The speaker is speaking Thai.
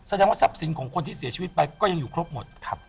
แสดงว่าทรัพย์สินของคนที่เสียชีวิตไปก็ยังอยู่ครบหมด